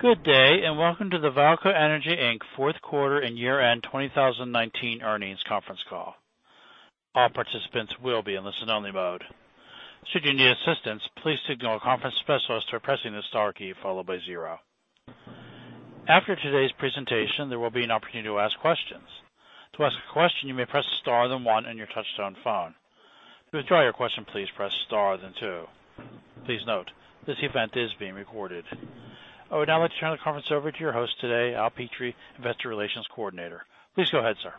Good day, welcome to the VAALCO Energy Inc fourth quarter and year-end 2019 earnings conference call. All participants will be in listen only mode. Should you need assistance, please signal a conference specialist by pressing the star key followed by zero. After today's presentation, there will be an opportunity to ask questions. To ask a question, you may press star, then one on your touch-tone phone. To withdraw your question, please press star, then two. Please note, this event is being recorded. I would now like to turn the conference over to your host today, Al Petrie, Investor Relations Coordinator. Please go ahead, sir.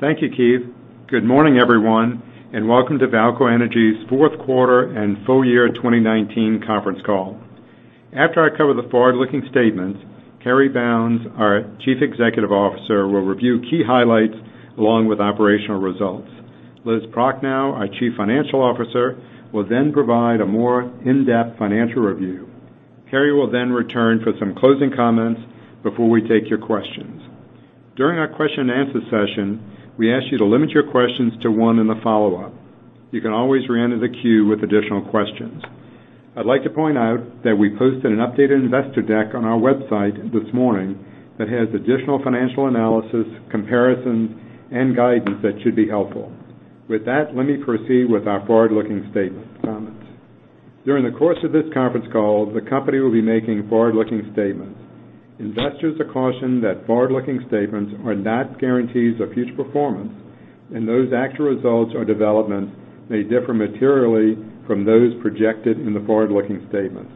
Thank you, Keith. Good morning, everyone, and welcome to VAALCO Energy's fourth quarter and full year 2019 conference call. After I cover the forward-looking statements, Cary Bounds, our Chief Executive Officer, will review key highlights along with operational results. Liz Prochnow, our Chief Financial Officer, will then provide a more in-depth financial review. Cary will then return for some closing comments before we take your questions. During our question and answer session, we ask you to limit your questions to one in the follow-up. You can always reenter the queue with additional questions. I'd like to point out that we posted an updated investor deck on our website this morning that has additional financial analysis, comparisons, and guidance that should be helpful. With that, let me proceed with our forward-looking statement comments. During the course of this conference call, the company will be making forward-looking statements. Investors are cautioned that forward-looking statements are not guarantees of future performance, and those actual results or developments may differ materially from those projected in the forward-looking statements.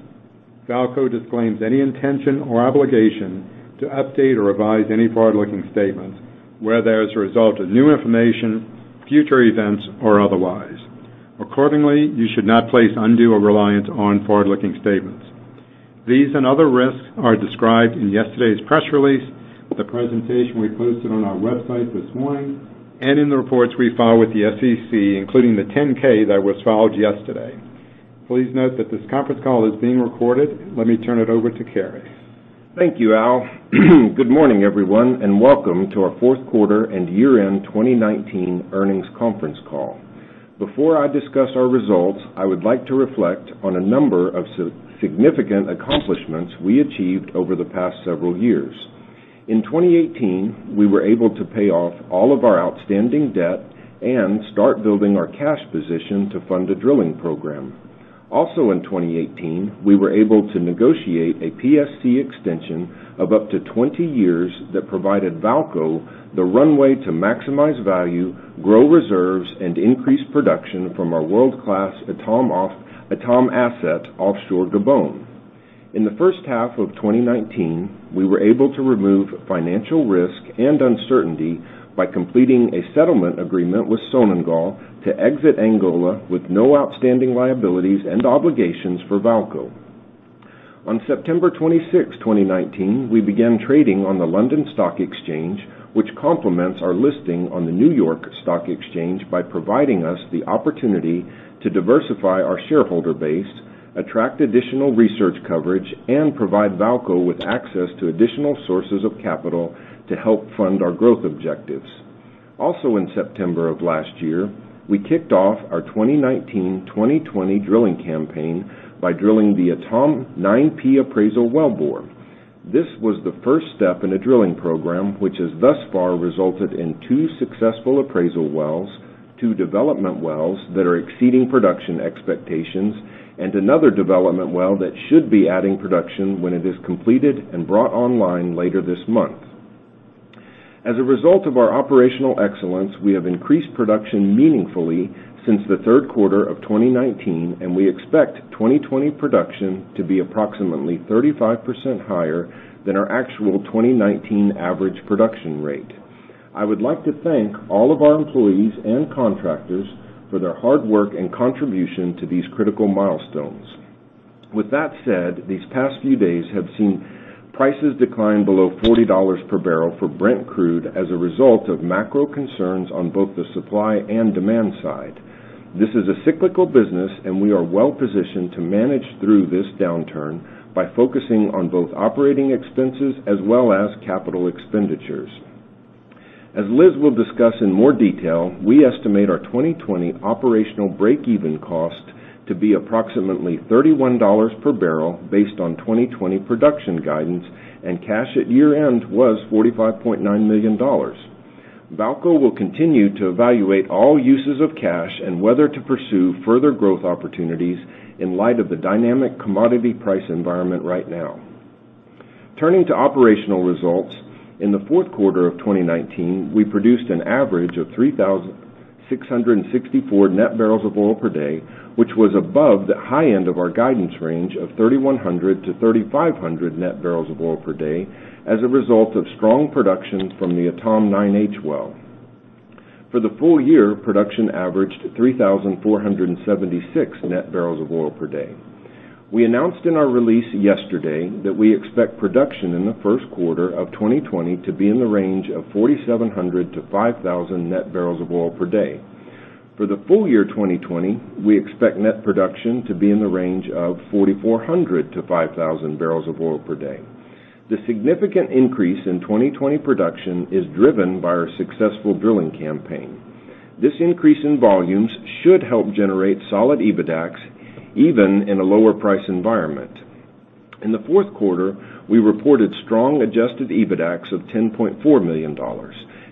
VAALCO disclaims any intention or obligation to update or revise any forward-looking statements, whether as a result of new information, future events, or otherwise. Accordingly, you should not place undue reliance on forward-looking statements. These and other risks are described in yesterday's press release, the presentation we posted on our website this morning, and in the reports we file with the SEC, including the 10-K that was filed yesterday. Please note that this conference call is being recorded. Let me turn it over to Cary. Thank you, Al. Good morning, everyone, and welcome to our fourth quarter and year-end 2019 earnings conference call. Before I discuss our results, I would like to reflect on a number of significant accomplishments we achieved over the past several years. In 2018, we were able to pay off all of our outstanding debt and start building our cash position to fund a drilling program. Also in 2018, we were able to negotiate a PSC extension of up to 20 years that provided VAALCO the runway to maximize value, grow reserves, and increase production from our world-class Etame asset offshore Gabon. In the first half of 2019, we were able to remove financial risk and uncertainty by completing a settlement agreement with Sonangol to exit Angola with no outstanding liabilities and obligations for VAALCO. On September 26, 2019, we began trading on the London Stock Exchange, which complements our listing on the New York Stock Exchange by providing us the opportunity to diversify our shareholder base, attract additional research coverage, and provide VAALCO with access to additional sources of capital to help fund our growth objectives. Also in September of last year, we kicked off our 2019/2020 drilling campaign by drilling the Etame 9P appraisal wellbore. This was the first step in a drilling program, which has thus far resulted in two successful appraisal wells, two development wells that are exceeding production expectations, and another development well that should be adding production when it is completed and brought online later this month. As a result of our operational excellence, we have increased production meaningfully since the third quarter of 2019, and we expect 2020 production to be approximately 35% higher than our actual 2019 average production rate. I would like to thank all of our employees and contractors for their hard work and contribution to these critical milestones. With that said, these past few days have seen prices decline below $40 per barrel for Brent crude as a result of macro concerns on both the supply and demand side. This is a cyclical business, and we are well-positioned to manage through this downturn by focusing on both operating expenses as well as capital expenditures. As Liz will discuss in more detail, we estimate our 2020 operational break-even cost to be approximately $31 per barrel based on 2020 production guidance, and cash at year-end was $45.9 million. VAALCO will continue to evaluate all uses of cash and whether to pursue further growth opportunities in light of the dynamic commodity price environment right now. Turning to operational results, in the fourth quarter of 2019, we produced an average of 3,664 net barrels of oil per day, which was above the high end of our guidance range of 3,100-3,500 net barrels of oil per day as a result of strong production from the Etame 9H well. For the full year, production averaged 3,476 net barrels of oil per day. We announced in our release yesterday that we expect production in the first quarter of 2020 to be in the range of 4,700-5,000 net barrels of oil per day. For the full year 2020, we expect net production to be in the range of 4,400-5,000 bbl of oil per day. The significant increase in 2020 production is driven by our successful drilling campaign. This increase in volumes should help generate solid EBITDAX even in a lower price environment. In the fourth quarter, we reported strong adjusted EBITDAX of $10.4 million,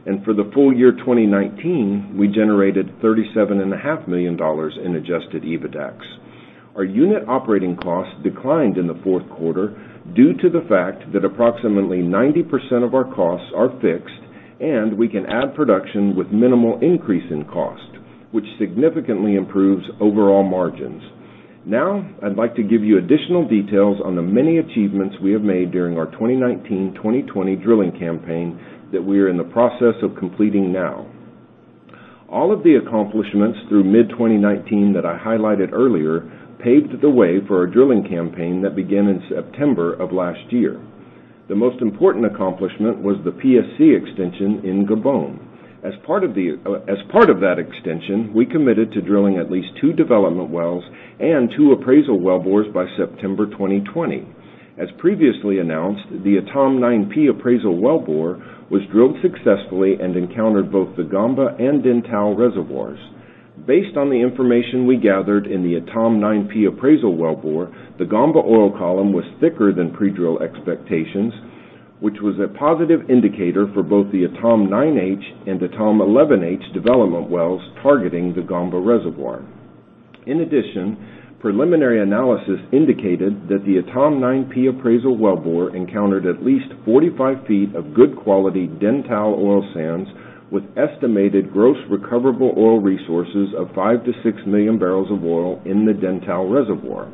and for the full year 2019, we generated $37.5 million in adjusted EBITDAX. Our unit operating costs declined in the fourth quarter due to the fact that approximately 90% of our costs are fixed, and we can add production with minimal increase in cost, which significantly improves overall margins. I'd like to give you additional details on the many achievements we have made during our 2019/2020 drilling campaign that we are in the process of completing now. All of the accomplishments through mid-2019 that I highlighted earlier paved the way for a drilling campaign that began in September of last year. The most important accomplishment was the PSC extension in Gabon. As part of that extension, we committed to drilling at least two development wells and two appraisal wellbores by September 2020. As previously announced, the Etame 9P appraisal wellbore was drilled successfully and encountered both the Gamba and Dentale reservoirs. Based on the information we gathered in the Etame 9P appraisal wellbore, the Gamba oil column was thicker than pre-drill expectations, which was a positive indicator for both the Etame 9H and Etame 11H development wells targeting the Gamba reservoir. In addition, preliminary analysis indicated that the Etame 9P appraisal wellbore encountered at least 45 ft of good quality Dentale oil sands with estimated gross recoverable oil resources of 5 million-6 million bbl of oil in the Dentale reservoir.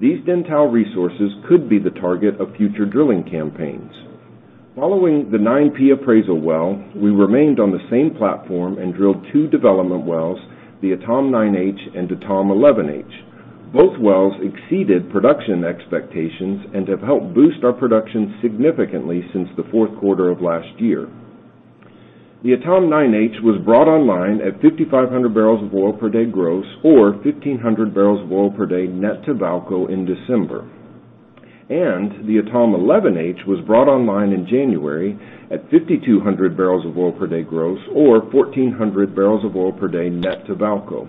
These Dentale resources could be the target of future drilling campaigns. Following the 9P appraisal well, we remained on the same platform and drilled two development wells, the Etame 9H and Etame 11H. Both wells exceeded production expectations and have helped boost our production significantly since the fourth quarter of last year. The Etame 9H was brought online at 5,500 bbl of oil per day gross or 1,500 bbl of oil per day net to VAALCO in December. The Etame 11H was brought online in January at 5,200 bbl of oil per day gross or 1,400 bbl of oil per day net to VAALCO.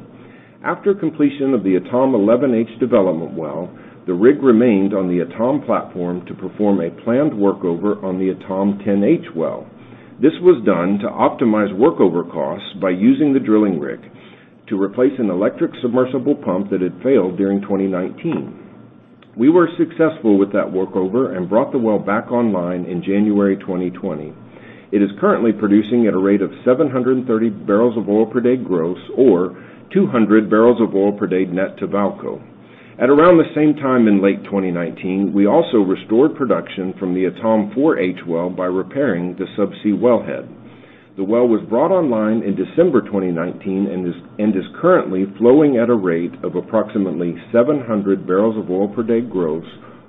After completion of the Etame 11H development well, the rig remained on the Etame platform to perform a planned workover on the Etame 10H well. This was done to optimize workover costs by using the drilling rig to replace an electric submersible pump that had failed during 2019. We were successful with that workover and brought the well back online in January 2020. It is currently producing at a rate of 730 bbl of oil per day gross, or 200 bbl of oil per day net to VAALCO. At around the same time in late 2019, we also restored production from the Etame 4H well by repairing the subsea wellhead. The well was brought online in December 2019 and is currently flowing at a rate of approximately 700 bbl of oil per day gross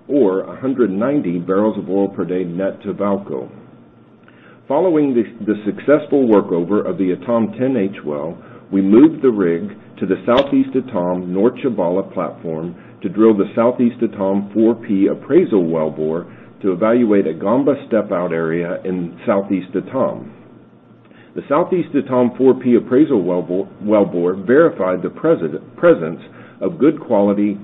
or 190 bbl of oil per day net to VAALCO. Following the successful workover of the Etame 10H well, we moved the rig to the Southeast Etame/North Tchibala platform to drill the Southeast Etame 4P appraisal wellbore to evaluate a Gamba step-out area in Southeast Etame. The Southeast Etame 4P appraisal wellbore verified the presence of good quality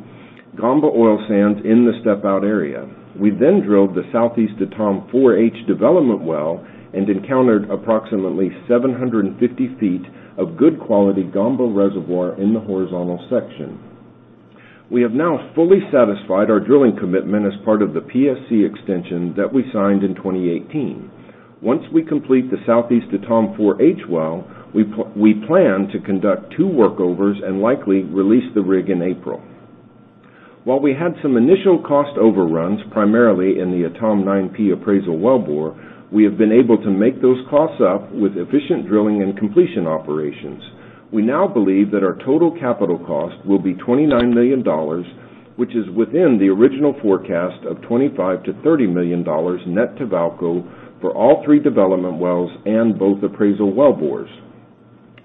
Gamba oil sands in the step-out area. We then drilled the Southeast Etame 4H development well and encountered approximately 750 ft of good quality Gamba reservoir in the horizontal section. We have now fully satisfied our drilling commitment as part of the PSC extension that we signed in 2018. Once we complete the Southeast Etame 4H well, we plan to conduct two workovers and likely release the rig in April. While we had some initial cost overruns, primarily in the Etame 9P appraisal wellbore, we have been able to make those costs up with efficient drilling and completion operations. We now believe that our total capital cost will be $29 million, which is within the original forecast of $25 million-$30 million net to VAALCO for all three development wells and both appraisal wellbores.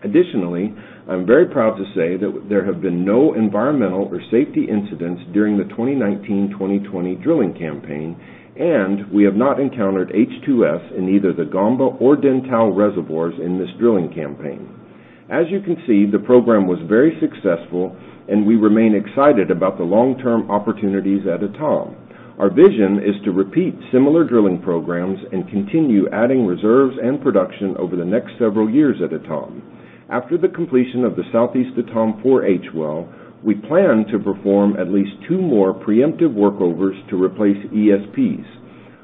Additionally, I'm very proud to say that there have been no environmental or safety incidents during the 2019/2020 drilling campaign, and we have not encountered H2S in either the Gamba or Dentale reservoirs in this drilling campaign. As you can see, the program was very successful and we remain excited about the long-term opportunities at Etame. Our vision is to repeat similar drilling programs and continue adding reserves and production over the next several years at Etame. After the completion of the Southeast Etame 4H well, we plan to perform at least two more preemptive workovers to replace ESPs.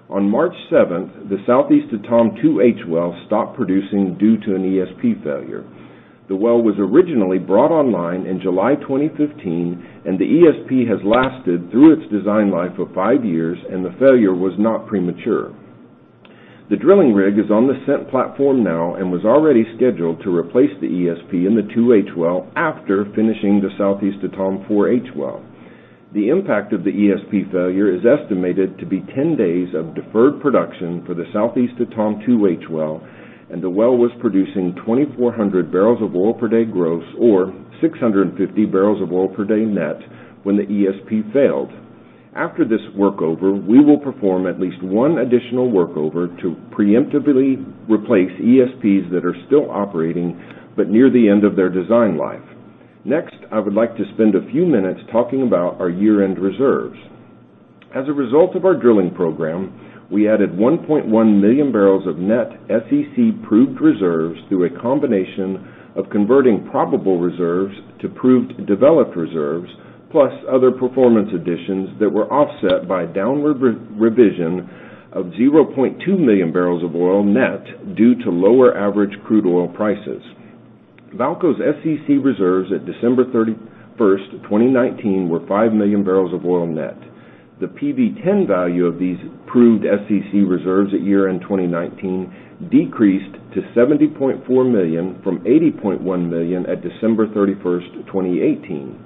On March 7th, the Southeast Etame 2H well stopped producing due to an ESP failure. The well was originally brought online in July 2015, and the ESP has lasted through its design life of five years, and the failure was not premature. The drilling rig is on the SEENT platform now and was already scheduled to replace the ESP in the 2H well after finishing the Southeast Etame 4H well. The impact of the ESP failure is estimated to be 10 days of deferred production for the Southeast Etame 2H well, and the well was producing 2,400 bbl of oil per day gross or 650 bbl of oil per day net when the ESP failed. After this workover, we will perform at least one additional workover to preemptively replace ESPs that are still operating but near the end of their design life. Next, I would like to spend a few minutes talking about our year-end reserves. As a result of our drilling program, we added 1.1 million barrels of net SEC proved reserves through a combination of converting probable reserves to proved developed reserves, plus other performance additions that were offset by downward revision of 0.2 million barrels of oil net due to lower average crude oil prices. VAALCO's SEC reserves at December 31st, 2019, were 5 million barrels of oil net. The PV-10 value of these proved SEC reserves at year-end 2019 decreased to $70.4 million from $80.1 million at December 31st, 2018.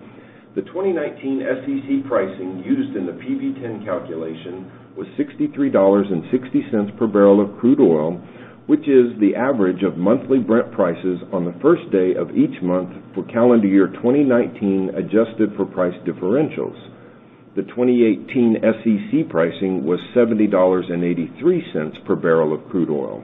The 2019 SEC pricing used in the PV-10 calculation was $63.60 per barrel of crude oil, which is the average of monthly Brent prices on the first day of each month for calendar year 2019, adjusted for price differentials. The 2018 SEC pricing was $70.83 per barrel of crude oil.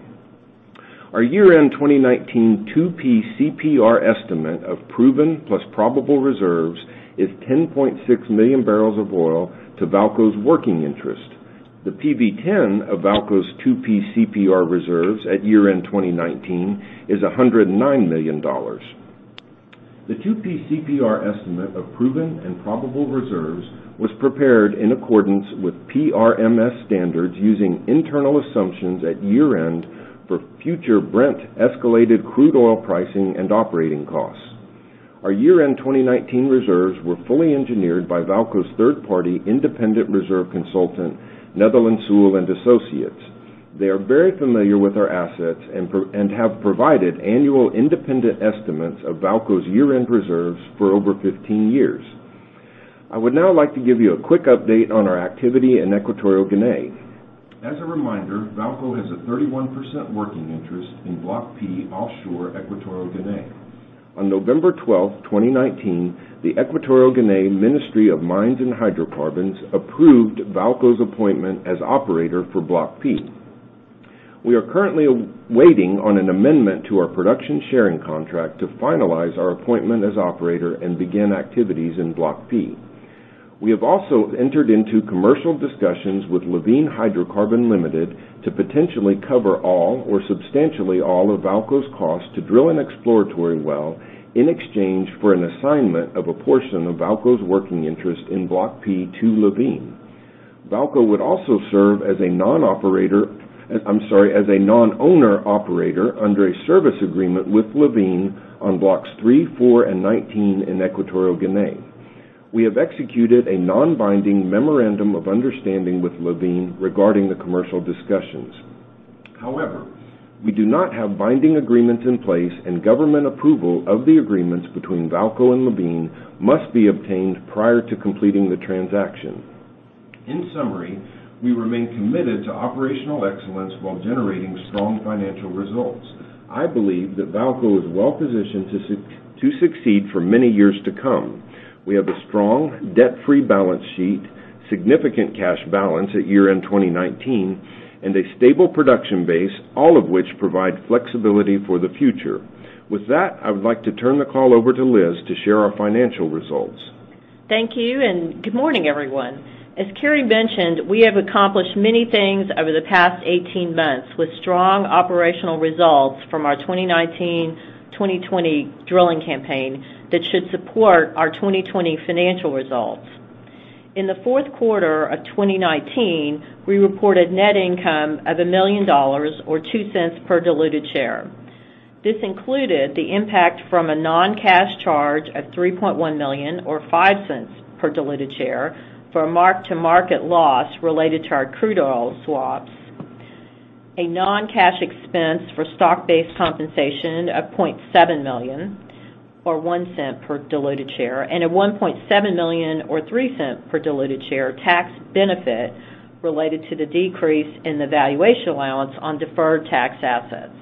Our year-end 2019 2P CPR estimate of proven plus probable reserves is 10.6 million barrels of oil to VAALCO's working interest. The PV-10 of VAALCO's 2P CPR reserves at year-end 2019 is $109 million. The 2P CPR estimate of proven and probable reserves was prepared in accordance with PRMS standards using internal assumptions at year-end for future Brent escalated crude oil pricing and operating costs. Our year-end 2019 reserves were fully engineered by VAALCO's third-party independent reserve consultant, Netherland, Sewell, and Associates. They are very familiar with our assets and have provided annual independent estimates of VAALCO's year-end reserves for over 15 years. I would now like to give you a quick update on our activity in Equatorial Guinea. As a reminder, VAALCO has a 31% working interest in Block P offshore Equatorial Guinea. On November 12th, 2019, the Equatorial Guinea Ministry of Mines and Hydrocarbons approved VAALCO's appointment as operator for Block P. We are currently waiting on an amendment to our production sharing contract to finalize our appointment as operator and begin activities in Block P. We have also entered into commercial discussions with Levene Hydrocarbon Limited to potentially cover all or substantially all of VAALCO's cost to drill an exploratory well in exchange for an assignment of a portion of VAALCO's working interest in Block P to Levene. VAALCO would also serve as a non-owner operator under a service agreement with Levene on Blocks 3, 4, and 19 in Equatorial Guinea. We have executed a non-binding memorandum of understanding with Levene regarding the commercial discussions. However, we do not have binding agreements in place, and government approval of the agreements between VAALCO and Levene must be obtained prior to completing the transaction. In summary, we remain committed to operational excellence while generating strong financial results. I believe that VAALCO is well positioned to succeed for many years to come. We have a strong debt-free balance sheet, significant cash balance at year-end 2019, and a stable production base, all of which provide flexibility for the future. With that, I would like to turn the call over to Liz to share our financial results. Thank you. Good morning, everyone. As Cary mentioned, we have accomplished many things over the past 18 months with strong operational results from our 2019-2020 drilling campaign that should support our 2020 financial results. In the fourth quarter of 2019, we reported net income of $1 million, or $0.02 per diluted share. This included the impact from a non-cash charge of $3.1 million, or $0.05 per diluted share, for a mark-to-market loss related to our crude oil swaps, a non-cash expense for stock-based compensation of $0.7 million, or $0.01 per diluted share, and a $1.7 million, or $0.03 per diluted share, tax benefit related to the decrease in the valuation allowance on deferred tax assets.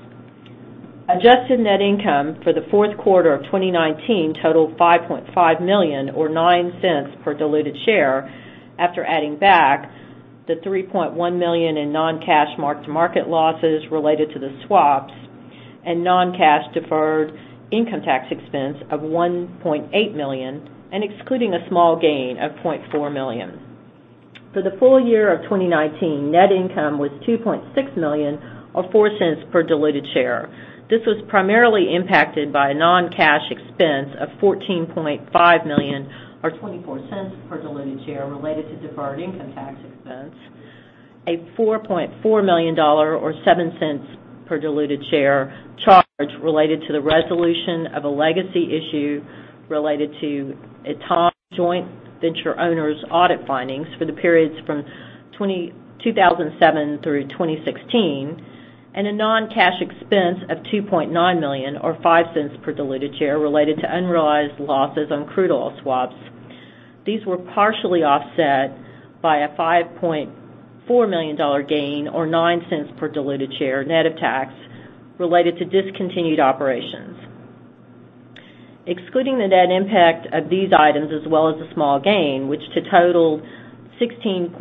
Adjusted net income for the fourth quarter of 2019 totaled $5.5 million, or $0.09 per diluted share, after adding back the $3.1 million in non-cash mark-to-market losses related to the swaps and non-cash deferred income tax expense of $1.8 million and excluding a small gain of $0.4 million. For the full year of 2019, net income was $2.6 million, or $0.04 per diluted share. This was primarily impacted by a non-cash expense of $14.5 million, or $0.24 per diluted share, related to deferred income tax expense, a $4.4 million, or $0.07 per diluted share, charge related to the resolution of a legacy issue related to Etame's joint venture owner's audit findings for the periods from 2007 through 2016, and a non-cash expense of $2.9 million, or $0.05 per diluted share, related to unrealized losses on crude oil swaps. These were partially offset by a $5.4 million gain, or $0.09 per diluted share, net of tax related to discontinued operations. Excluding the net impact of these items, as well as the small gain, which to total $16.0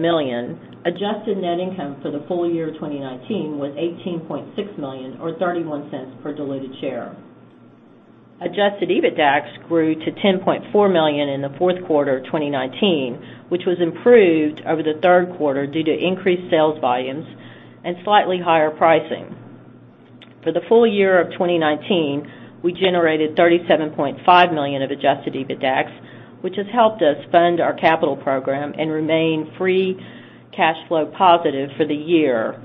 million, adjusted net income for the full year 2019 was $18.6 million or $0.31 per diluted share. Adjusted EBITDAX grew to $10.4 million in the fourth quarter of 2019, which was improved over the third quarter due to increased sales volumes and slightly higher pricing. For the full year of 2019, we generated $37.5 million of adjusted EBITDAX, which has helped us fund our capital program and remain free cash flow positive for the year.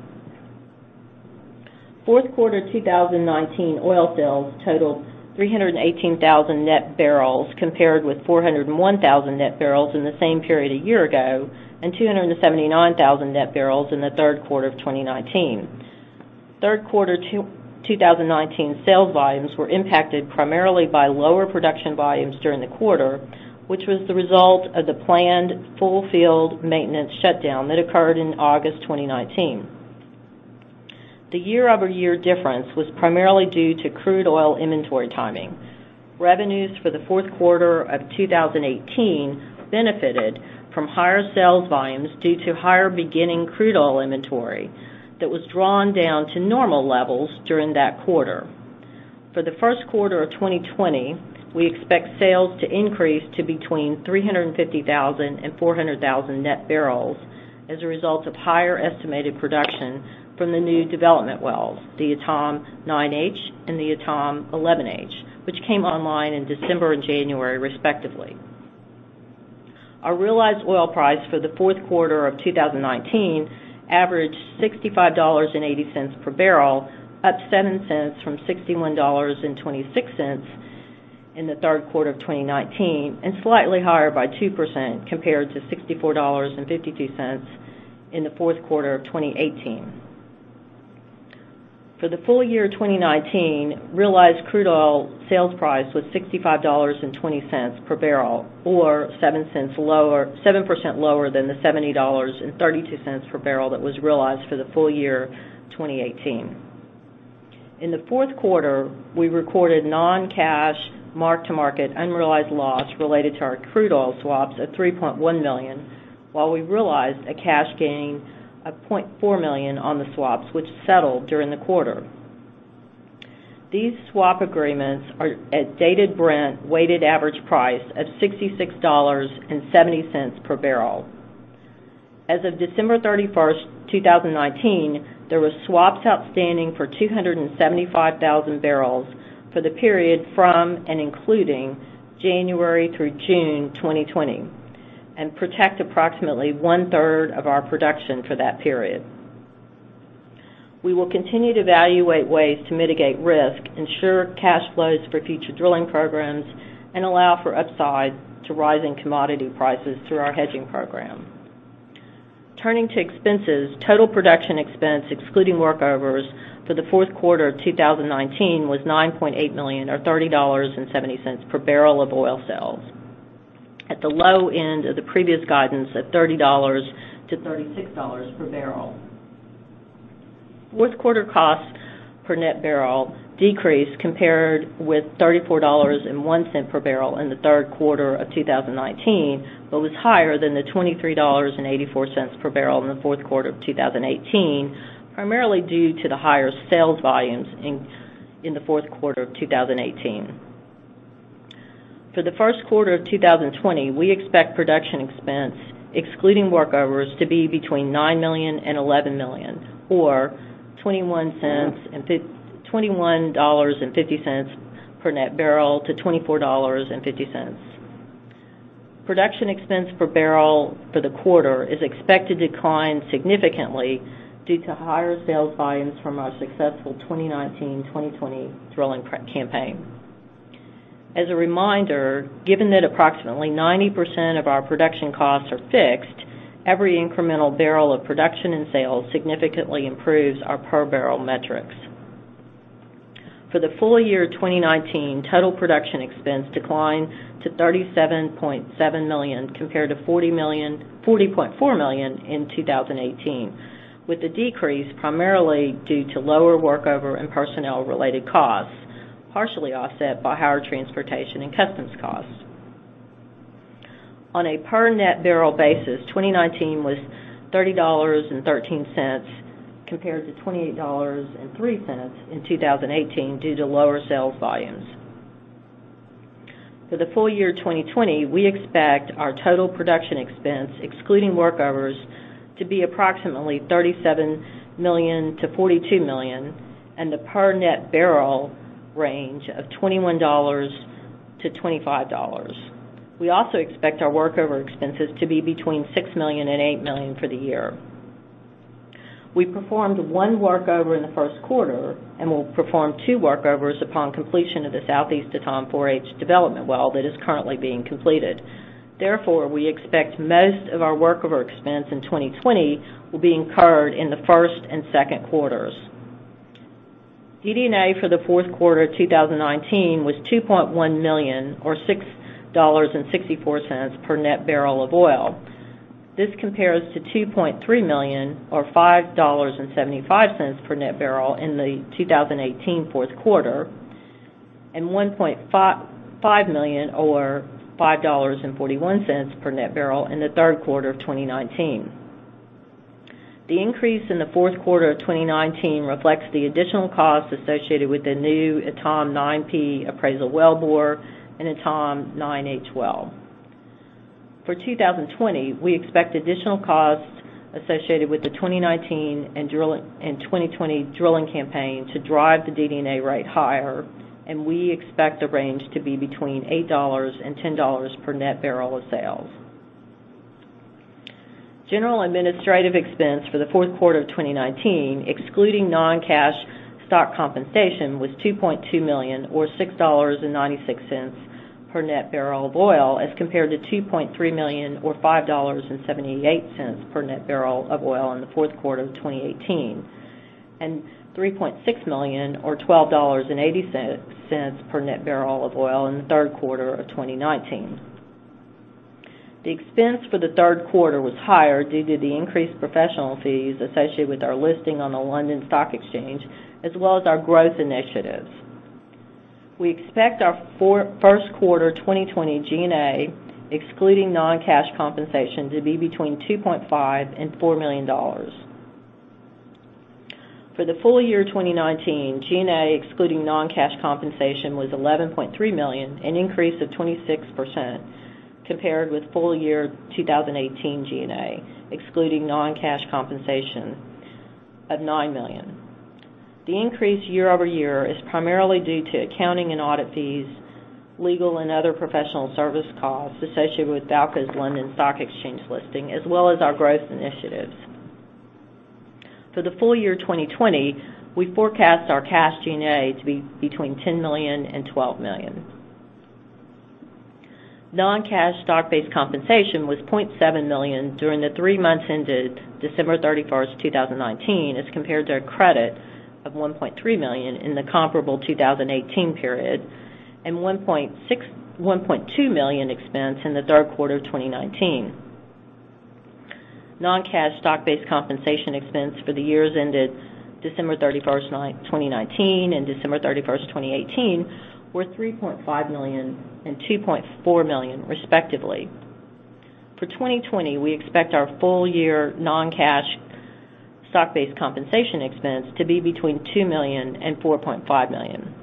Fourth quarter 2019 oil sales totaled 318,000 net barrels compared with 401,000 net barrels in the same period a year ago and 279,000 net barrels in the third quarter of 2019. Third quarter 2019 sales volumes were impacted primarily by lower production volumes during the quarter, which was the result of the planned full field maintenance shutdown that occurred in August 2019. The year-over-year difference was primarily due to crude oil inventory timing. Revenues for the fourth quarter of 2018 benefited from higher sales volumes due to higher beginning crude oil inventory that was drawn down to normal levels during that quarter. For the first quarter of 2020, we expect sales to increase to between 350,000 and 400,000 net barrels as a result of higher estimated production from the new development wells, the Etame 9H and the Etame 11H, which came online in December and January respectively. Our realized oil price for the fourth quarter of 2019 averaged $65.80 per barrel, up $0.07 from $61.26 in the third quarter of 2019, and slightly higher by 2% compared to $64.52 in the fourth quarter of 2018. For the full year 2019, realized crude oil sales price was $65.20 per barrel, or 7% lower than the $70.32 per barrel that was realized for the full year 2018. In the fourth quarter, we recorded non-cash mark-to-market unrealized loss related to our crude oil swaps of $3.1 million, while we realized a cash gain of $0.4 million on the swaps, which settled during the quarter. These swap agreements are at dated Brent weighted average price of $66.70 per barrel. As of December 31st, 2019, there was swaps outstanding for 275,000 bbl for the period from and including January through June 2020 and protect approximately 1/3 of our production for that period. We will continue to evaluate ways to mitigate risk, ensure cash flows for future drilling programs, and allow for upside to rising commodity prices through our hedging program. Turning to expenses, total production expense excluding workovers for the fourth quarter of 2019 was $9.8 million or $30.70 per barrel of oil sales at the low end of the previous guidance of $30-$36 per barrel. Fourth quarter costs per net barrel decreased compared with $34.01 per barrel in the third quarter of 2019 but was higher than the $23.84 per barrel in the fourth quarter of 2018, primarily due to the higher sales volumes in the fourth quarter of 2018. For the first quarter of 2020, we expect production expense excluding workovers to be between $9 million and $11 million or $21.50 per net barrel to $24.50. Production expense per barrel for the quarter is expected to decline significantly due to higher sales volumes from our successful 2019/2020 drilling campaign. As a reminder, given that approximately 90% of our production costs are fixed, every incremental barrel of production and sales significantly improves our per barrel metrics. For the full year 2019, total production expense declined to $37.7 million compared to $40.4 million in 2018, with the decrease primarily due to lower workover and personnel related costs, partially offset by higher transportation and customs costs. On a per net barrel basis, 2019 was $30.13 compared to $28.03 in 2018 due to lower sales volumes. For the full year 2020, we expect our total production expense excluding workovers to be approximately $37 million-$42 million and the per net barrel range of $21-$25. We also expect our workover expenses to be between $6 million and $8 million for the year. We performed one workover in the first quarter and will perform two workovers upon completion of the Southeast Etame 4H development well that is currently being completed. We expect most of our workover expense in 2020 will be incurred in the first and second quarters. DD&A for the fourth quarter 2019 was $2.1 million or $6.64 per net barrel of oil. This compares to $2.3 million or $5.75 per net barrel in the 2018 fourth quarter, and $1.5 million or $5.41 per net barrel in the third quarter of 2019. The increase in the fourth quarter of 2019 reflects the additional costs associated with the new Etame 9P appraisal wellbore and Etame 9H well. For 2020, we expect additional costs associated with the 2019 and 2020 drilling campaign to drive the DD&A rate higher, and we expect the range to be between $8 and $10 per net barrel of sales. General administrative expense for the fourth quarter of 2019, excluding non-cash stock compensation, was $2.2 million or $6.96 per net barrel of oil as compared to $2.3 million or $5.78 per net barrel of oil in the fourth quarter of 2018, and $3.6 million or $12.80 per net barrel of oil in the third quarter of 2019. The expense for the third quarter was higher due to the increased professional fees associated with our listing on the London Stock Exchange, as well as our growth initiatives. We expect our first quarter 2020 G&A, excluding non-cash compensation, to be between $2.5 million and $4 million. For the full year 2019, G&A, excluding non-cash compensation, was $11.3 million, an increase of 26% compared with full year 2018 G&A, excluding non-cash compensation of $9 million. The increase year-over-year is primarily due to accounting and audit fees, legal and other professional service costs associated with VAALCO's London Stock Exchange listing, as well as our growth initiatives. For the full year 2020, we forecast our cash G&A to be between $10 million and $12 million. Non-cash stock-based compensation was $0.7 million during the three months ended December 31st, 2019, as compared to a credit of $1.3 million in the comparable 2018 period and $1.2 million expense in the third quarter of 2019. Non-cash stock-based compensation expense for the years ended December 31st, 2019 and December 31st, 2018 were $3.5 million and $2.4 million respectively. For 2020, we expect our full year non-cash stock-based compensation expense to be between $2 million and $4.5 million.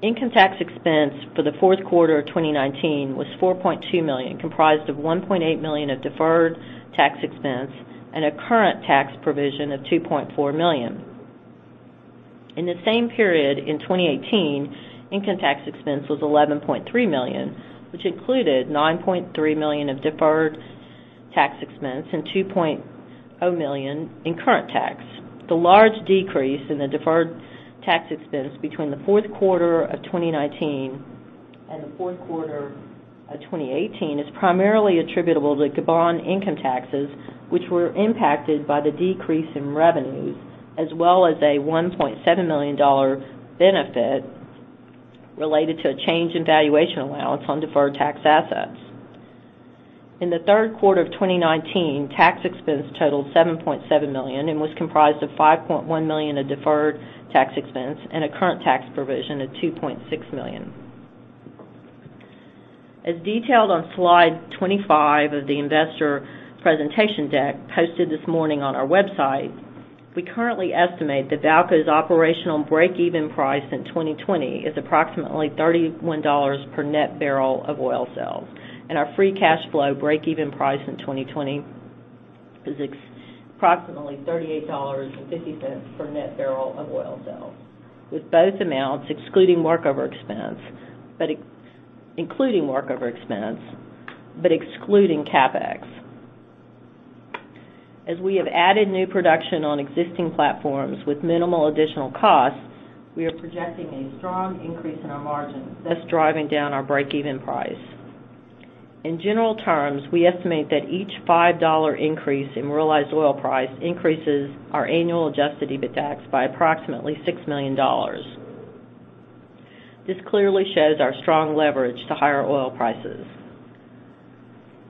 Income tax expense for the fourth quarter of 2019 was $4.2 million, comprised of $1.8 million of deferred tax expense and a current tax provision of $2.4 million. In the same period in 2018, income tax expense was $11.3 million, which included $9.3 million of deferred tax expense and $2.0 million in current tax. The large decrease in the deferred tax expense between the fourth quarter of 2019 and the fourth quarter of 2018 is primarily attributable to Gabon income taxes, which were impacted by the decrease in revenues, as well as a $1.7 million benefit related to a change in valuation allowance on deferred tax assets. In the third quarter of 2019, tax expense totaled $7.7 million and was comprised of $5.1 million of deferred tax expense and a current tax provision of $2.6 million. As detailed on slide 25 of the investor presentation deck posted this morning on our website, we currently estimate that VAALCO's operational break even price in 2020 is approximately $31 per net barrel of oil sales, and our free cash flow break even price in 2020 is approximately $38.50 per net barrel of oil sales, with both amounts including workover expense but excluding CapEx. As we have added new production on existing platforms with minimal additional cost, we are projecting a strong increase in our margins, thus driving down our break even price. In general terms, we estimate that each $5 increase in realized oil price increases our annual adjusted EBITDA by approximately $6 million. This clearly shows our strong leverage to higher oil prices.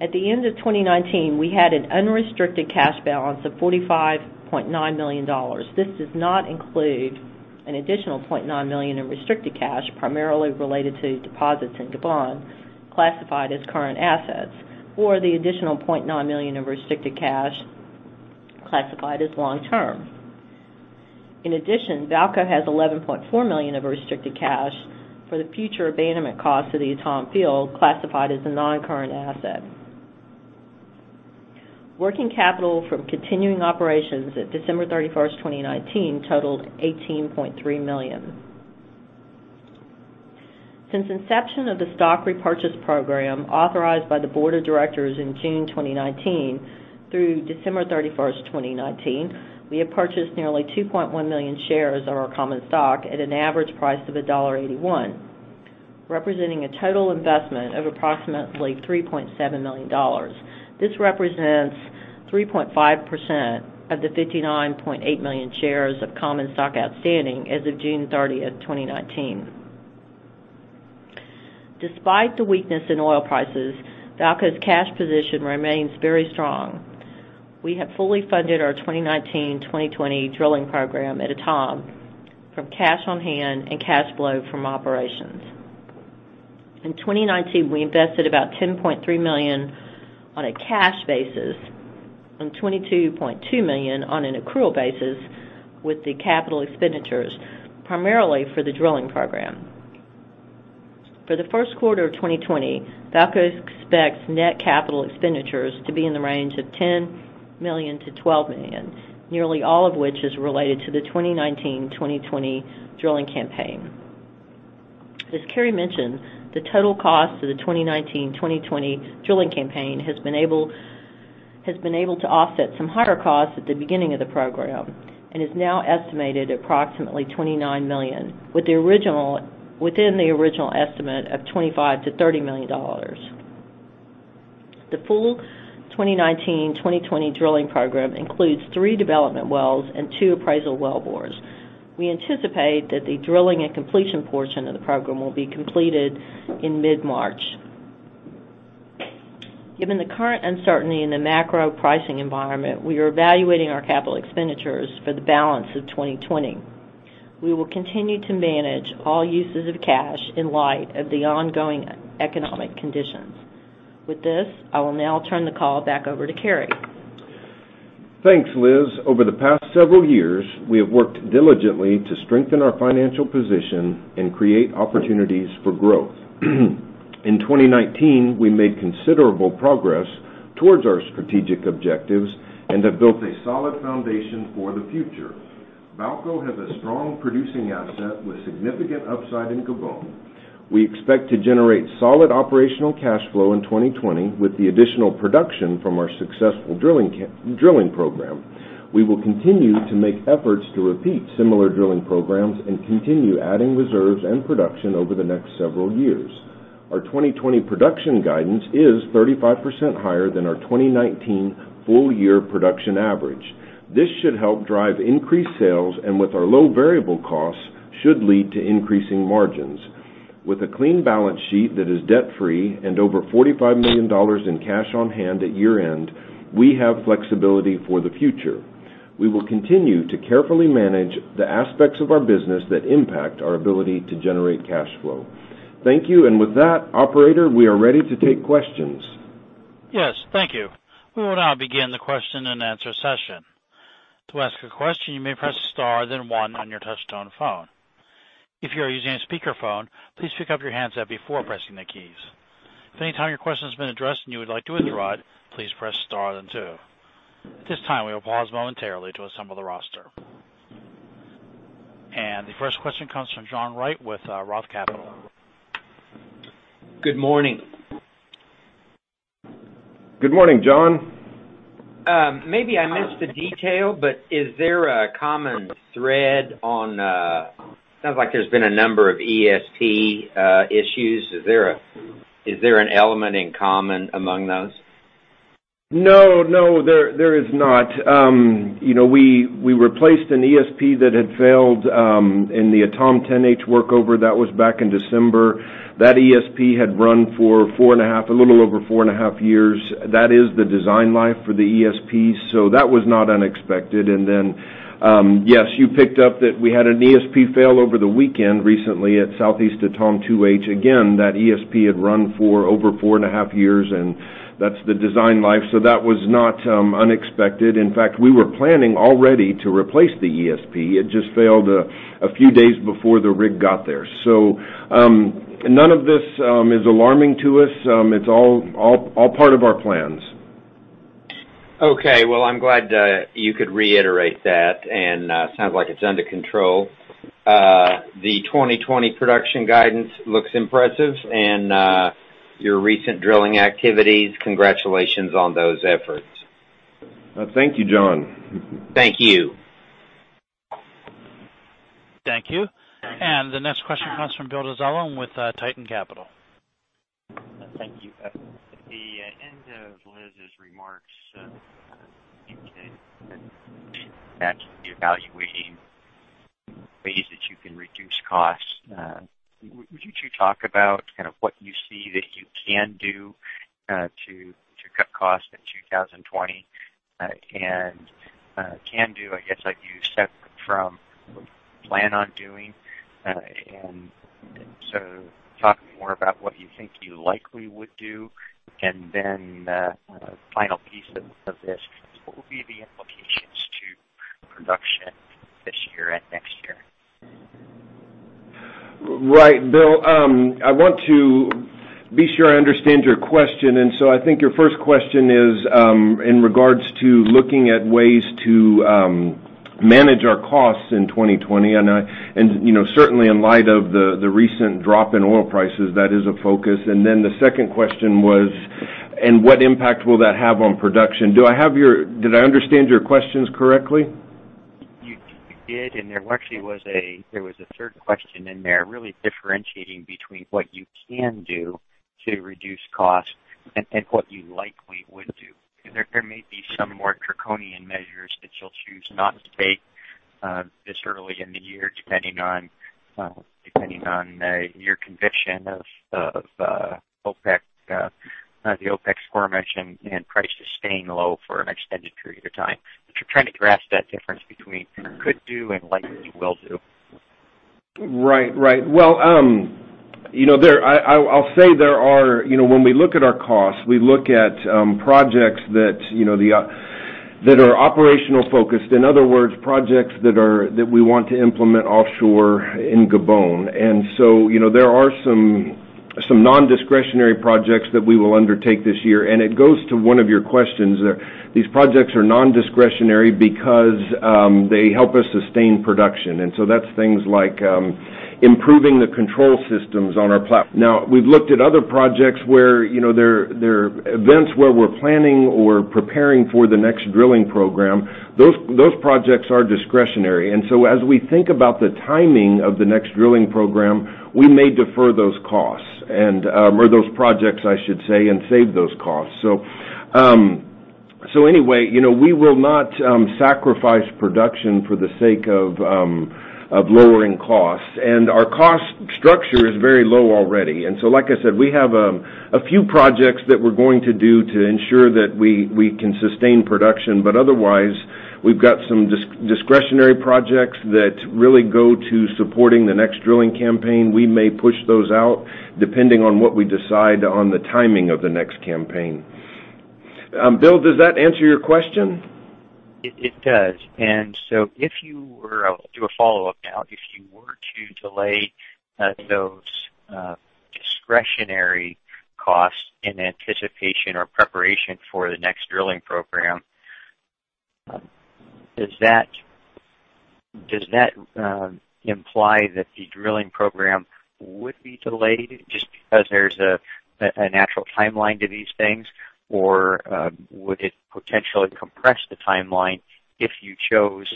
At the end of 2019, we had an unrestricted cash balance of $45.9 million. This does not include an additional $0.9 million in restricted cash, primarily related to deposits in Gabon classified as current assets, or the additional $0.9 million of restricted cash classified as long-term. In addition, VAALCO has $11.4 million of restricted cash for the future abandonment costs of the Etame field classified as a non-current asset. Working capital from continuing operations at December 31st, 2019 totaled $18.3 million. Since inception of the stock repurchase program authorized by the board of directors in June 2019 through December 31st, 2019, we have purchased nearly 2.1 million shares of our common stock at an average price of $1.81, representing a total investment of approximately $3.7 million. This represents 3.5% of the 59.8 million shares of common stock outstanding as of June 30th, 2019. Despite the weakness in oil prices, VAALCO's cash position remains very strong. We have fully funded our 2019, 2020 drilling program at Etame from cash on hand and cash flow from operations. In 2019, we invested about $10.3 million on a cash basis and $22.2 million on an accrual basis with the capital expenditures, primarily for the drilling program. For the first quarter of 2020, VAALCO expects net capital expenditures to be in the range of $10 million-$12 million, nearly all of which is related to the 2019, 2020 drilling campaign. As Cary mentioned, the total cost of the 2019, 2020 drilling campaign has been able to offset some higher costs at the beginning of the program and is now estimated approximately $29 million, within the original estimate of $25 million-$30 million. The full 2019, 2020 drilling program includes three development wells and two appraisal wellbores. We anticipate that the drilling and completion portion of the program will be completed in mid-March. Given the current uncertainty in the macro pricing environment, we are evaluating our CapEx for the balance of 2020. We will continue to manage all uses of cash in light of the ongoing economic conditions. With this, I will now turn the call back over to Cary. Thanks, Liz. Over the past several years, we have worked diligently to strengthen our financial position and create opportunities for growth. In 2019, we made considerable progress towards our strategic objectives and have built a solid foundation for the future. VAALCO has a strong producing asset with significant upside in Gabon. We expect to generate solid operational cash flow in 2020 with the additional production from our successful drilling program. We will continue to make efforts to repeat similar drilling programs and continue adding reserves and production over the next several years. Our 2020 production guidance is 35% higher than our 2019 full year production average. This should help drive increased sales, and with our low variable costs, should lead to increasing margins. With a clean balance sheet that is debt free and over $45 million in cash on hand at year end, we have flexibility for the future. We will continue to carefully manage the aspects of our business that impact our ability to generate cash flow. Thank you. With that, operator, we are ready to take questions. Yes. Thank you. We will now begin the question and answer session. To ask a question, you may press star then one on your touch-tone phone. If you are using a speakerphone, please pick up your handset before pressing the keys. If at any time your question has been addressed and you would like to withdraw it, please press star then two. At this time, we will pause momentarily to assemble the roster. The first question comes from John White with Roth Capital Partners. Good morning. Good morning, John. Maybe I missed the detail, but is there a common thread? Sounds like there's been a number of ESP issues. Is there an element in common among those? No, there is not. We replaced an ESP that had failed in the Etame 10H workover. That was back in December. That ESP had run for a little over four and a half years. That is the design life for the ESP, so that was not unexpected. Then, yes, you picked up that we had an ESP fail over the weekend recently at Southeast Etame 2H. Again, that ESP had run for over four and a half years, and that's the design life. That was not unexpected. In fact, we were planning already to replace the ESP. It just failed a few days before the rig got there. None of this is alarming to us. It's all part of our plans. Okay. Well, I'm glad you could reiterate that. Sounds like it's under control. The 2020 production guidance looks impressive. Your recent drilling activities, congratulations on those efforts. Thank you, John. Thank you. Thank you. The next question comes from Bill Dezellem with Tieton Capital. Thank you. The end of Liz's remarks indicated that you're evaluating ways that you can reduce costs. Would you two talk about what you see that you can do to cut costs in 2020, I guess, like you said, from plan on doing? Talk more about what you think you likely would do, and then a final piece of this, what will be the implications to production this year and next year? Right. Bill, I want to be sure I understand your question. I think your first question is in regards to looking at ways to manage our costs in 2020, certainly in light of the recent drop in oil prices, that is a focus. The second question was, what impact will that have on production? Did I understand your questions correctly? You did, there actually was a third question in there, really differentiating between what you can do to reduce costs and what you likely would do. There may be some more draconian measures that you'll choose not to take this early in the year, depending on your conviction of the OPEC's formation and prices staying low for an extended period of time. You're trying to grasp that difference between could do and likely will do. Right. Well, I'll say when we look at our costs, we look at projects that are operational focused. In other words, projects that we want to implement offshore in Gabon. There are some non-discretionary projects that we will undertake this year. It goes to one of your questions there. These projects are non-discretionary because they help us sustain production. That's things like improving the control systems on our platform. Now, we've looked at other projects where there are events where we're planning or preparing for the next drilling program. Those projects are discretionary. As we think about the timing of the next drilling program, we may defer those costs, or those projects, I should say, and save those costs. Anyway, we will not sacrifice production for the sake of lowering costs. Our cost structure is very low already. Like I said, we have a few projects that we're going to do to ensure that we can sustain production. Otherwise, we've got some discretionary projects that really go to supporting the next drilling campaign. We may push those out depending on what we decide on the timing of the next campaign. Bill, does that answer your question? It does. I'll do a follow-up now. If you were to delay those discretionary costs in anticipation or preparation for the next drilling program, does that imply that the drilling program would be delayed just because there's a natural timeline to these things? Or would it potentially compress the timeline if you chose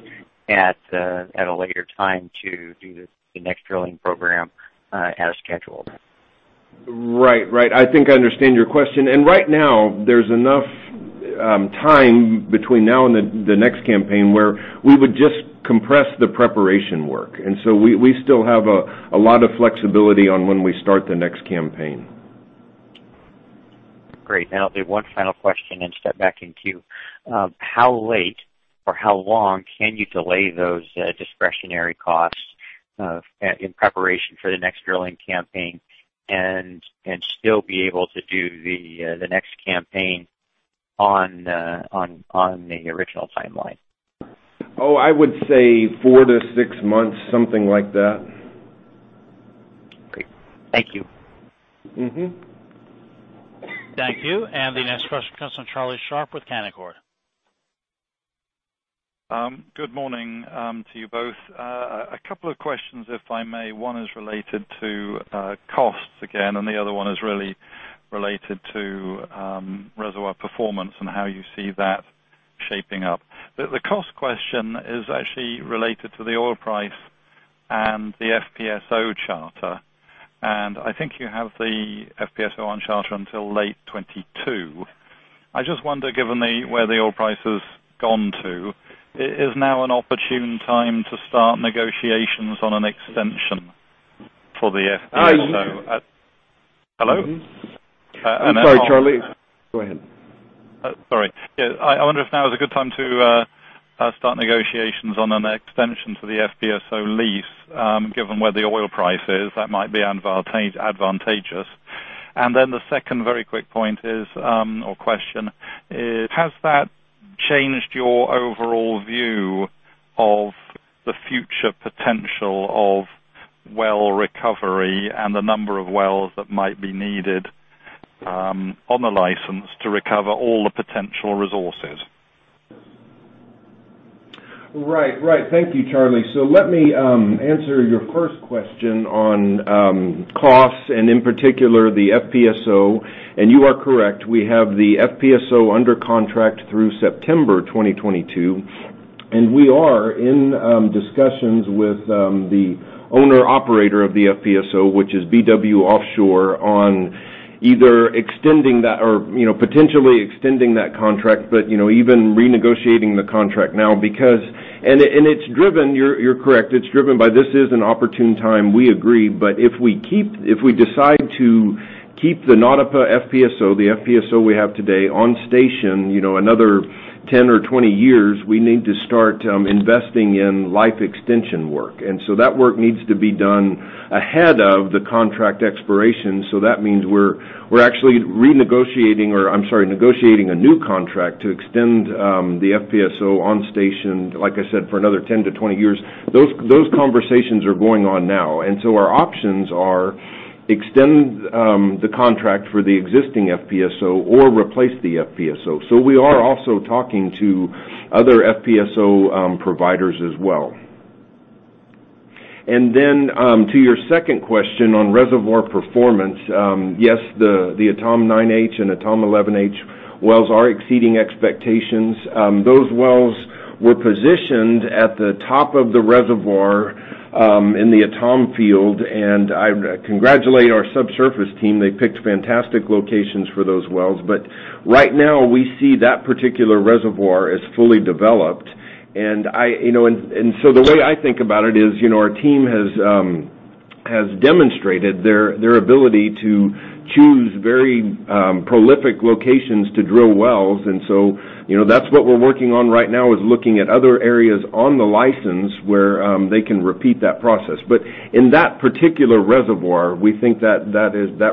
at a later time to do the next drilling program as scheduled? Right. I think I understand your question. Right now, there's enough time between now and the next campaign where we would just compress the preparation work. We still have a lot of flexibility on when we start the next campaign. Great. I'll do one final question and step back in queue. How late or how long can you delay those discretionary costs in preparation for the next drilling campaign, and still be able to do the next campaign on the original timeline? Oh, I would say four to six months, something like that. Okay. Thank you. Thank you. The next question comes from Charlie Sharp with Canaccord. Good morning to you both. A couple of questions, if I may. One is related to costs again, and the other one is really related to reservoir performance and how you see that shaping up. The cost question is actually related to the oil price and the FPSO charter. I think you have the FPSO on charter until late 2022. I just wonder, given where the oil price has gone to, is now an opportune time to start negotiations on an extension for the FPSO? I- Hello? I'm sorry, Charlie. Go ahead. Sorry. Yeah. I wonder if now is a good time to start negotiations on an extension for the FPSO lease, given where the oil price is. That might be advantageous. The second very quick point is, or question is, has that changed your overall view of the future potential of well recovery and the number of wells that might be needed on the license to recover all the potential resources? Right. Thank you, Charlie. Let me answer your first question on costs, and in particular, the FPSO. You are correct. We have the FPSO under contract through September 2022. We are in discussions with the owner operator of the FPSO, which is BW Offshore, on either potentially extending that contract, but even renegotiating the contract now because you're correct, it's driven by this is an opportune time, we agree. If we decide to keep the Nauta FPSO, the FPSO we have today, on station another 10 or 20 years, we need to start investing in life extension work. That work needs to be done ahead of the contract expiration. That means we're actually negotiating a new contract to extend the FPSO on station, like I said, for another 10-20 years. Those conversations are going on now. Our options are extend the contract for the existing FPSO or replace the FPSO. We are also talking to other FPSO providers as well. To your second question on reservoir performance, yes, the Etame 9H and Etame 11H wells are exceeding expectations. Those wells were positioned at the top of the reservoir in the Etame field, and I congratulate our subsurface team. They picked fantastic locations for those wells, but right now we see that particular reservoir as fully developed. The way I think about it is our team has demonstrated their ability to choose very prolific locations to drill wells. That's what we're working on right now, is looking at other areas on the license where they can repeat that process. In that particular reservoir, we think that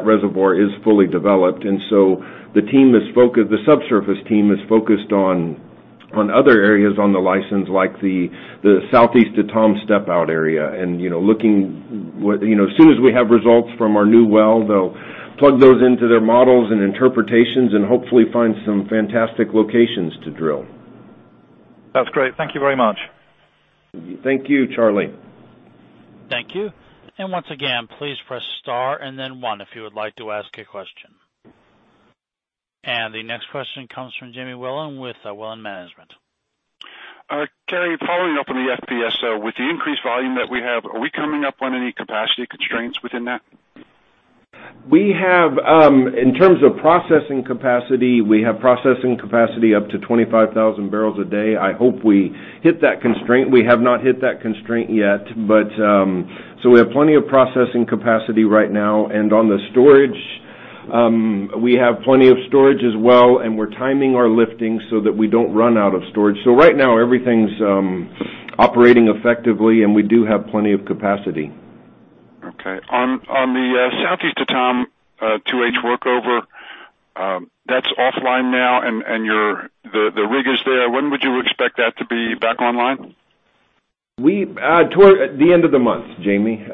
reservoir is fully developed. The subsurface team is focused on other areas on the license, like the Southeast Etame step-out area, and as soon as we have results from our new well, they'll plug those into their models and interpretations and hopefully find some fantastic locations to drill. That's great. Thank you very much. Thank you, Charlie. Thank you. Once again, please press star and then one if you would like to ask a question. The next question comes from Jamie Wilen with Wilen Management. Cary, following up on the FPSO. With the increased volume that we have, are we coming up on any capacity constraints within that? In terms of processing capacity, we have processing capacity up to 25,000 bbl a day. I hope we hit that constraint. We have not hit that constraint yet. We have plenty of processing capacity right now. On the storage, we have plenty of storage as well, and we're timing our lifting so that we don't run out of storage. Right now everything's operating effectively, and we do have plenty of capacity. Okay. On the Southeast Etame 2H workover, that's offline now, and the rig is there. When would you expect that to be back online? Toward the end of the month, Jamie,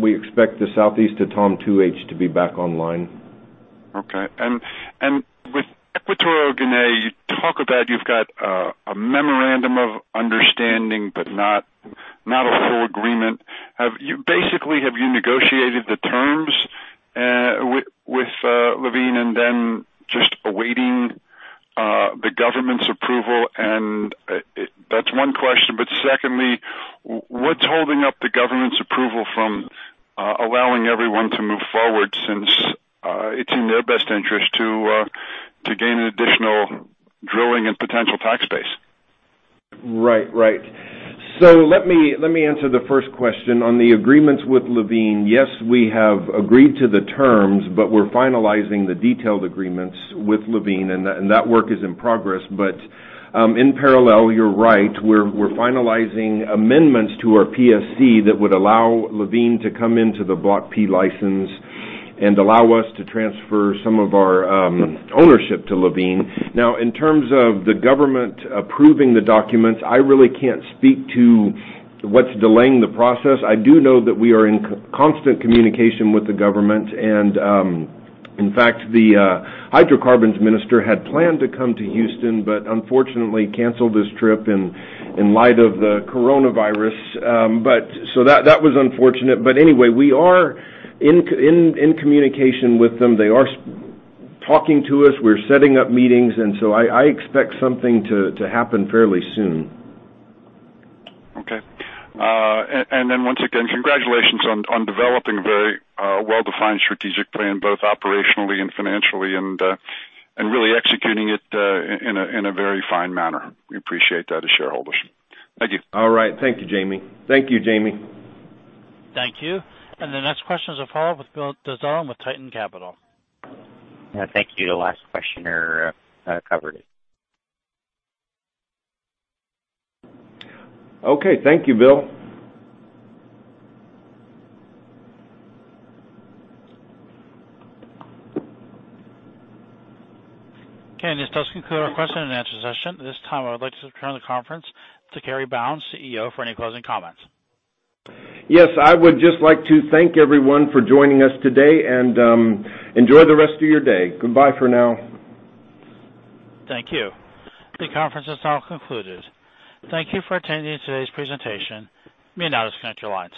we expect the Southeast Etame 2H to be back online. Okay. With Equatorial Guinea, you talk about you've got a memorandum of understanding, but not a full agreement. Basically, have you negotiated the terms with Levene and then just awaiting the government's approval? That's one question. Secondly, what's holding up the government's approval from allowing everyone to move forward since it's in their best interest to gain additional drilling and potential tax base? Let me answer the first question. On the agreements with Levene, yes, we have agreed to the terms, but we're finalizing the detailed agreements with Levene, and that work is in progress. In parallel, you're right, we're finalizing amendments to our PSC that would allow Levene to come into the Block P license and allow us to transfer some of our ownership to Levene. In terms of the government approving the documents, I really can't speak to what's delaying the process. I do know that we are in constant communication with the government, and in fact, the hydrocarbons minister had planned to come to Houston, but unfortunately canceled his trip in light of the coronavirus. That was unfortunate. Anyway, we are in communication with them. They are talking to us. We're setting up meetings. I expect something to happen fairly soon. Okay. Once again, congratulations on developing a very well-defined strategic plan, both operationally and financially, and really executing it in a very fine manner. We appreciate that as shareholders. Thank you. All right. Thank you, Jamie. Thank you. The next question is with Bill Dezellem with Tieton Capital. No, thank you. The last questioner covered it. Okay. Thank you, Bill. Okay. This does conclude our question and answer session. At this time, I would like to return the conference to Cary Bounds, CEO, for any closing comments. Yes, I would just like to thank everyone for joining us today, and enjoy the rest of your day. Goodbye for now. Thank you. The conference is now concluded. Thank you for attending today's presentation. You may now disconnect your lines.